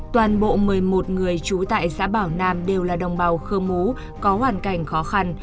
toàn bộ một mươi một người trú tại xã bảo nam đều là đồng bào khơ mú có hoàn cảnh khó khăn